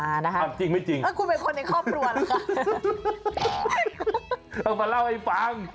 อ่ะจริงไม่จริงคุณเป็นคนในครอบครัวหรอคะเอามาเล่าให้ฟัง